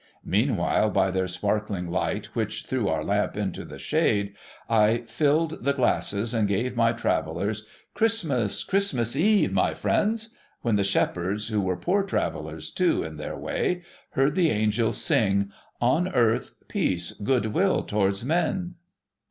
Meanwhile, by their sparkling light, which threw our lamp into the shade, I filled the glasses, and gave my Travellers, Christmas !— Christmas eve, my friends, when the shepherds, who were Poor Travellers, too, in their way, heard the Angels sing, ' On earth, peace. Good will towards men